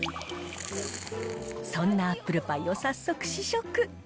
そんなアップルパイを早速試食。